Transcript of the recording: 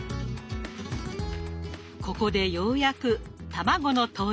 ここでようやく卵の登場。